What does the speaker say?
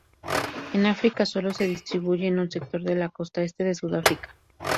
En África, sólo se distribuye en un sector de la costa este de Sudáfrica.